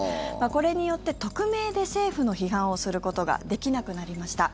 これによって匿名で政府の批判をすることができなくなりました。